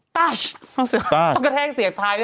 ต้าดต้าด